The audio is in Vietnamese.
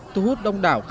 thú hút đông đảo khách